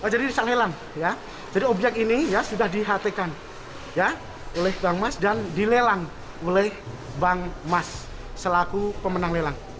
jadi disalahkan jadi obyek ini sudah dihatikan oleh bank mas dan dilelang oleh bank mas selaku pemenang lelang